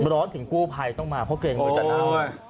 ร้อนถึงกู้ภัยต้องมาเพราะเกรงมือจะเน่า